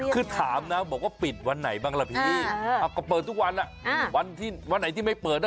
ก็ทำให้เราคลายเครียด